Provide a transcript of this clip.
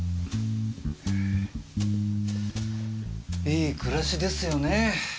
いい暮らしですよね。